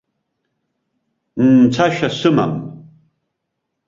Мцашьа сымам.